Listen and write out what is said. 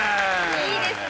いいですね！